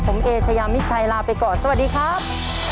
ผมเอเชยามิชัยลาไปก่อนสวัสดีครับ